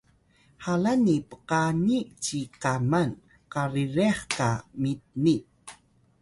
halan ni pakani’ ci kaman karirex ka mit ni